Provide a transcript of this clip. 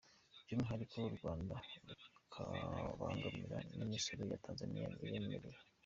By’umwihariko u Rwanda rukabangamirwa n’imisoro ya Tanzaniya iremereye.